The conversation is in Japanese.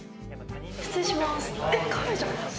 失礼します。